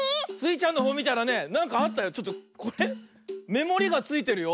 めもりがついてるよ。